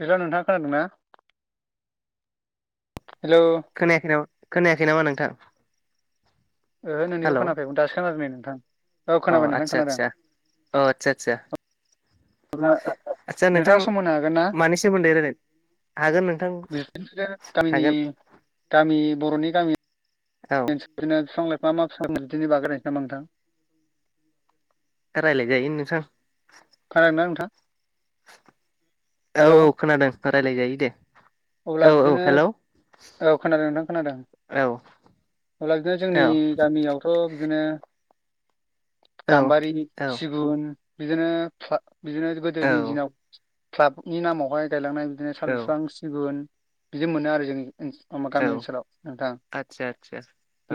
बेथ' नोंथाङा खोनादों ना? खोनायाखै नामा खोनायाखै नामा नोंथां? ओहो नोंनिखौ हेलौ खोनाफैयाखैमोन दासो खोनाफैदों नै नोंथां औ अ खोनाबाय नोंथां आतसा खोनादों आतसा अ आतसा आतसा [unintelligible] नोंथाङा समहोनो हागोन ना? मानि सोमोन्दै रायलायनो हागोन नोंथां [inaudible] गामिनि हागोन गामि बर'नि गामि औ [unintelligible] फिफां लाइफां मा मा [unintelligible] नोंथां रायलाय जायो नोंथां। [unintelligible] नोंथां औ हेल' औ खोनादों रायलाय जायो दे। अब्ला औ औ बिदिनो हेलौ औ खोनादों नोंथां खोनादों औ अब्ला बिदिनो जोंनि औ गामियावथ' बिदिनो गाम्बारि औ सिगुन बिदिनो [unintelligible] बिदिनो औ गोदोनि दिनाव क्लाबनि नामावहाय गायलांनाय बिदिनो साल औ बिफां सि गुन बिदि मोनो आरो जोंनिखै [unintelligible] औ गामि ओनसोलाव नोंथां आदसा आदसा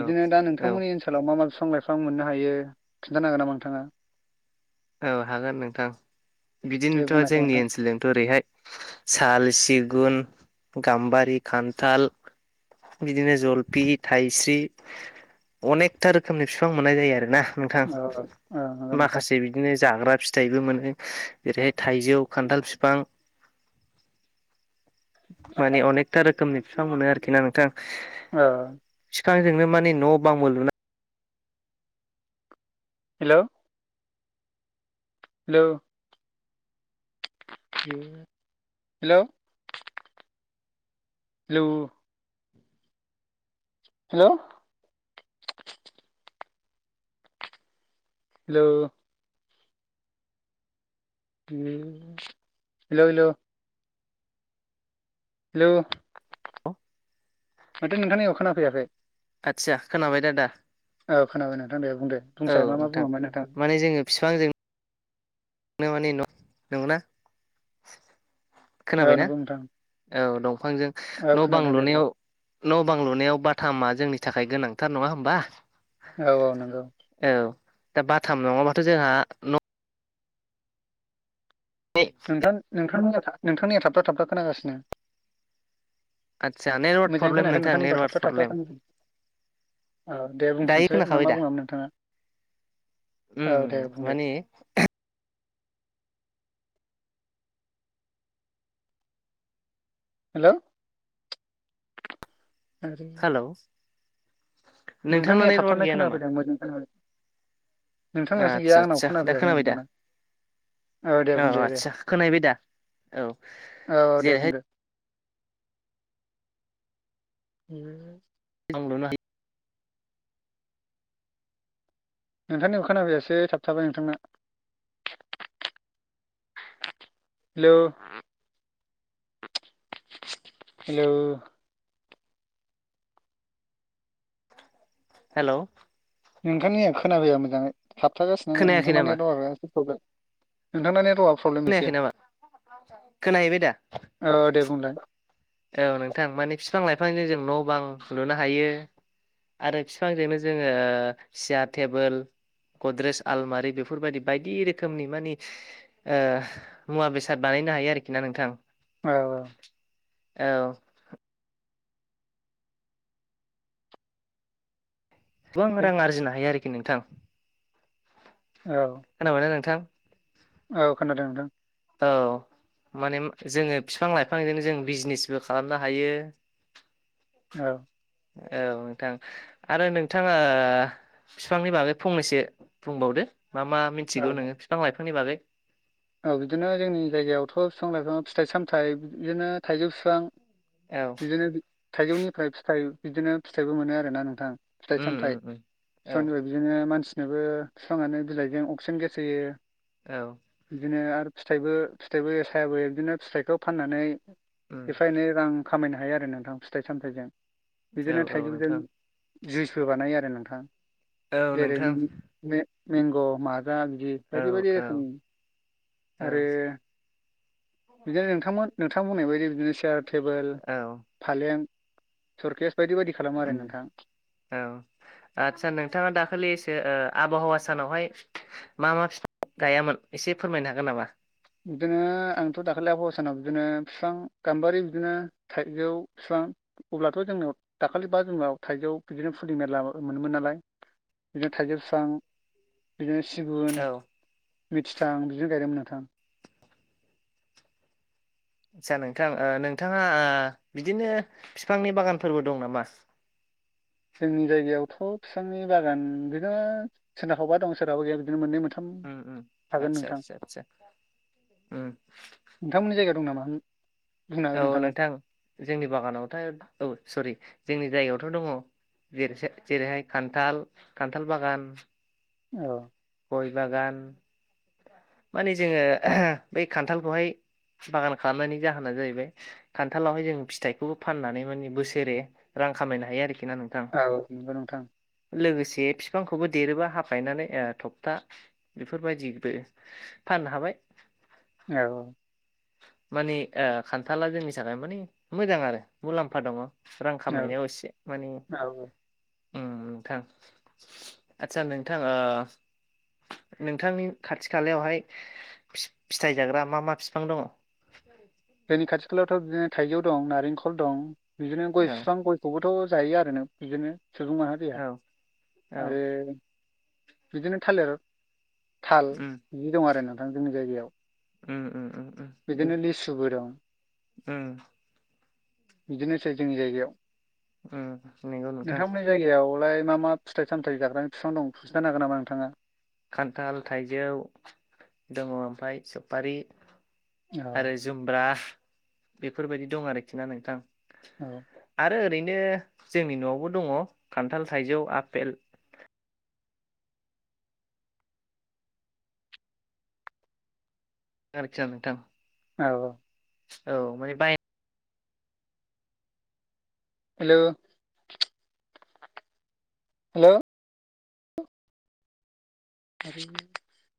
औ दा औ नोंथांमोननि ओनसोलाव मा मा फिफां लाइफां मोननो हायो खिन्थानो हागोन नामा नोंथाङा? औ हागोन नोंथां। दे बिदिनोथ' बुंनायसाय जोंनि नोंथां ओनसोलजोंथ' ओरैहाय साल सि गुन गाम्बारि खान्थाल बिदिनो जलफि थायस्रि अनेकथा रोखोमनि फिफां मोननाय जायो आरो ना नोंथां औ औ नंगौ नोंथां माखासे बिद दिनो जाग्रा फिथाइबो मोनो ओेरैहाय थाइजौ खान्थाल फिफां [inaudible] माने अनेकथा रोखोमनि फिफां मोनो आरोखि ना नोंथां। औ। बिफाजोंनो माने न' बांबो लुनाय हेल'। हेल'। हेल'। हेल'। हेल'। हेल' हेल' हेल' हेलौ माथो नोंथांनिखौ खोना फैया खै आदसा खोनाबाय आदा औ खोनाबाय नोंथां दे बुं दे बुंसै मा मा बुङामोन नोंथां। माने जोङो बिफांजोंनो [unintelligible] औ खोनाबायना नंगौ नोंथां। औ दंफांजों औ न'-बां खोनादों दे बुं। लुनायाव न'-बां लुनायाव बाथाम मा जोंनि थाखाय गोनांथार नङा होमबा। औ औ नंगौ औ दा बाथाम नङाबाथ' जोंहा न' न' नोंथां नोंथांनि नोंथांनिया थाबथा थाबथा खोनागासिनो आदसा नेटवार्क मोजाङै प्रब्लेम खोनाखै नोंथां नोंथांनिखौ नेटवार्क थाबथा थाबथा प्रब्लेम खोनादों औ दे दायो बुंफिनसै मा खोनाखाबाय मा दा बुंङामोन नोंथाङा औ दे उम बुंदो मानि हेलौ आरो हेलौ नोंथांना नोंथांनिया नेटवार्क थाबथानाय गैया नामा खोनाफैदों आं मोजां खोना नोंथांनासो गैया आदसा आंनाव आदसा दा खोनाफैयाखै खोनाबाय नोंथां दा ना औ दे बुंदो दे। आदसा खोनाहैबाय दा औ जेरैहाय उम। आं लुनो हा नोंथांनिखौ खोनाफैयासै थाबथाबाय नोंथांना हेल' हेलौ हेल' नोंथांनिया खोनाफैया मोजाङै थाबथागासिनो खोनायाखै नोंथांनाव नामा नेट वार्कआ एसे प्रब्लेम नोंथांनाव नेटवार्क प्रब्लेम एसे खोनायाखै नामा खोनाहैबाय दा औ दे बुंलाय औ नोंथां माने बिफां-लाइफांजों जों न' बां लुनो हायो। आरो बिफांजोंनो जोङो सियार, टेबोल गद्रेज आलमारि बेफोरबायदि बायदि रोखोमनि माने उह मुवा बेसाद बानाय बानायनो हायो आरोखि ना नोंथां। औ औ औ गोबां औ रां आरजिनो हायो आरोखि नोंथां औ खोनाबायना नोंथां। औ खोनादों नोंथां। औ। माने जोङो बिफां-लाइफांजोंनो जोङो बिजनेसबो खालामनो हायो। औ औ नोंथां आरो नोंथाङा ए फिफांनि बागै फंनैसो बुंबावदो। मा मा औ मिथिगौ नोङो बिफां लाइफांनि बागै। औ बिदिनो जोंनि जायगायावथ' बिफां लाइफां फिथाइ सामथायाइ बिदिनो थाइजौ फिफां औ बिदिनो थाइजौनिफ्राय फिथाय बिदिनो फिथायाइबो मोनो आरोना नोंथां। फिथाइ उम उम उम सामथाइ औ [unintelligible] बिदिनो मानसि नोबो बिफाङानो बिलाइजों अक्सिजेन गेस होयो। औ बिदिनो आरो फिथाइबो फिथाइबो सायाबो बिदिनो फिथाइखौ फाननानै उम एफा एनै रां खामायनो हायो आरो नोंथां फिथाइ सामथाइजों। औ बिदिनो औ थाइजौजों नोंथां जुइसबो बानायो आरो नोंथां। औ जेरै नोंथां मे मेंंग' माजा बिदि औ बायदि बायदि औ रोखोमनि। औ आरो बिदिनो नोंथांमोन नोंथां बुंनाय बायदि बिदिनो चीयार टेबोल औ फालें। सुरखेस। उम औ आदसा नोंथाङा दाखालिसो ओ आबहावा सानावहाय मा मा फिफां गायामोन एसे फोरमायनो हागोन नामा? बिदिनो आंथ' दाखालि आबहावासानाव बिदिनो बिफां गाम्बारि बिदिनो थाइजौ फिफां अब्लाथ' जोंनाव दाखालि बा जुनाव थाइजौ बिदिनो फुलि मेरला मोनोमोन नालाय। बिदिनो थाइजौ फिफां बिदिनो सिगुन औ मिथिथां बिदिनो गायदोंमोन नोंथां। आस्सा नोंथां ओ नोंथाङा ओ बिदिनो फिफांनि बागानफोरबो दं नामा? [inaudible] जोंनि जायगायावथ' फिफांनि बागान बिदिनो सोरनाहावबा दं सोरहाबा गैया बिदिनो मोननै मोन उम उम आतसा आतसा आतसा उम ओ औ नोंथां जोंनि बागानावथाय औ सरि जोंनि जायगायावथ' दङ जेरैहाय खान्थाल खान्थाल बागान औ गय बागान। माने जोङो बै खान्थालखौहाय बागान खालामनायनि जाहोना जाहैबाय खान्थालावहाय जों फिथाइखौबो फाननानै माने बोसोरे रां खामायनो हायो आरोखि ना नोंथां औ नंगौ नोंथां लोगोसे फिफांखौबो देरोबा हा गायनानै ओह थकथा बेफोरबायदिबो फाननो हाबाय। औ मानि ओ खान्थाला जोंनि थाखाय मानि मोजां आरो मुलाम्फा दङ। रां खामायनायाव एसे माने औ ओम नोंथां आस्सा नोंथां ओ नोंथांनि खाथि खालायावहाय फि फिथाइ जाग्रा मा मा फि फां दङ। जोंनि खाथि खालायावथ' बिदिनो थाइजौ दं नारेंखल दं बिदिनो गय फिफां गयखौबो थ' जायो आरो ना बिदिनो सुबुं माहारिआ औ औ आरो बिदिनो थालिर थाल उम बिदि दं आरो नोंथां जोंनि जायगायाव। उम उम उम बिदिनो लिसुबो दं। ओम बिदिनोसै जोंनि जायगायाव। उम नोंगौ नोंथां। नोंथांमोननि जायगायावलाय मा मा फिथाइ सामथायाइ जाग्राानि बिफां दं खिथानो हागोन नामा नोंथाङा? खान्थाल थाइजौ दङ ओमफ्राय सपारि औ आरो जुमब्रा बेफोरबायदि दं आरोखि ना नोंथां औ आरो ओरैनो जोंनि न'आवबो दङ खान्थाल थाइजौ आफेल जारखिया नोंथां औ औ माने बाय हेल' हेल' [unintelligible] [inaudible]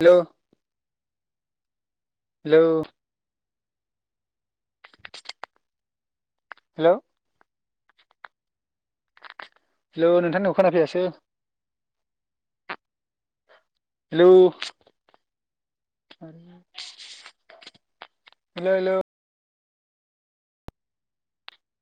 हेल' हेल' हेल' हेलौ नोंथां खोना फैयासो हेल' हेलौ' हेलौ।